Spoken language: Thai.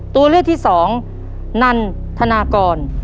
ตัวเลือกที่สองนันธนากร